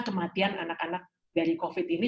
kematian anak anak dari covid ini